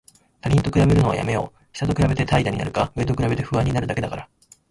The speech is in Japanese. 他人と比べるのはやめよう。下と比べて怠惰になるか、上と比べて不安になるだけだから。